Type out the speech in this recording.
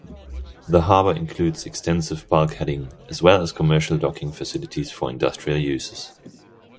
The harbor includes extensive bulkheading, as well as commercial docking facilities for industrial uses.